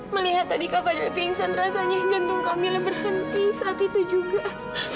melihat tadi kak fadil pingsan rasanya jantung kak mila berhenti saat itu juga